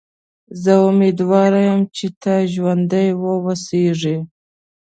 زه امیدوار یم چې ته ژوندی و اوسېږې.